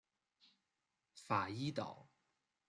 法伊岛。